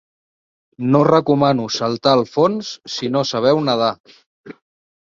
No recomano saltar al fons si no sabeu nedar.